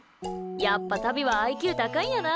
やっぱ、タビはＩＱ高いんやな。